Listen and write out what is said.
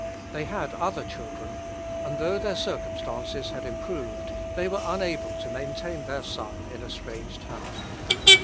They had other children; and though their circumstances had improved, they were unable to maintain their son in a strange town.